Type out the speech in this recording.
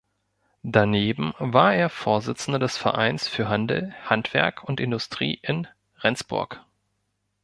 Daneben war er Vorsitzender des Vereins für Handel, Handwerk und Industrie in Rendsburg.